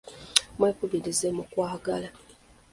Mwekubirize mu kwagala.